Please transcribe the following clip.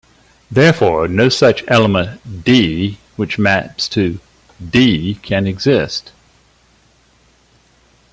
Therefore, no such element "d" which maps to "D" can exist.